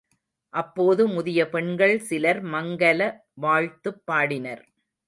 அப்போது முதிய பெண்கள் சிலர், மங்கல வாழ்த்துப் பாடினர்.